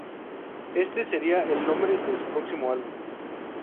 Este sería el nombre de su próximo álbum.